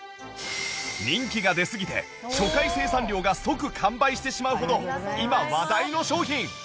人気が出すぎて初回生産量が即完売してしまうほど今話題の商品